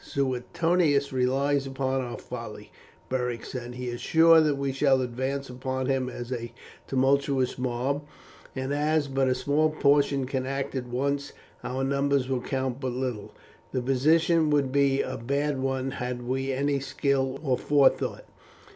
"Suetonius relies upon our folly," Beric said; "he is sure that we shall advance upon him as a tumultous mob, and as but a small portion can act at once our numbers will count but little. The position would be a bad one had we any skill or forethought.